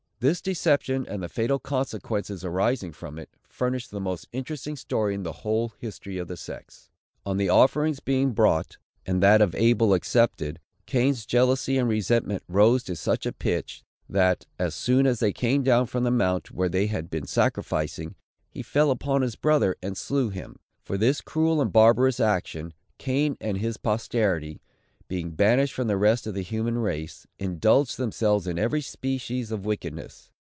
This deception, and the fatal consequences arising from it, furnish the most interesting story in the whole history of the sex. On the offerings being brought, and that of Abel accepted, Cain's jealousy and resentment rose to such a pitch, that, as soon as they came down from the mount where they had been sacrificing, he fell upon his brother and slew him. For this cruel and barbarous action, Cain and his posterity, being banished from the rest of the human race, indulged themselves in every species of wickedness.